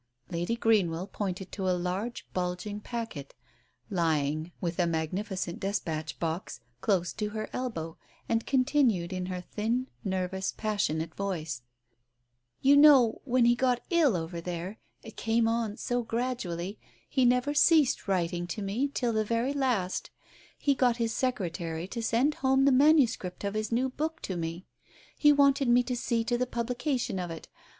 Lady Greenwell pointed to a large bulging packet lying, with a magnificent despatch box, close to her elbow, and continued, in her thin, nervous, passionate voice — "You know, when he got ill over there — it came on so gradually — he never ceased writing to me till the very last — he got his secretary to send home the MS. of his new book to me. He wanted me to see to the publication of it.